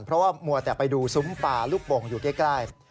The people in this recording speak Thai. เพราะว่ามัวแต่ไปดูซุ้มปลาลูกโป่งอยู่ใกล้